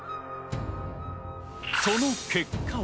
その結果は。